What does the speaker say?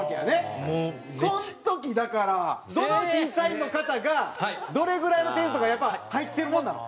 その時だからどの審査員の方がどれぐらいの点数とかやっぱり入ってるもんなの？